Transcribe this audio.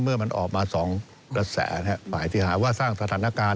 เมื่อมันออกมา๒กระแสฝ่ายที่หาว่าสร้างสถานการณ์